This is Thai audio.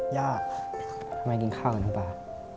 ย่าทำไมกินข้าวกับน้ำปลา